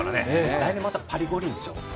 来年またパリ五輪でしょう。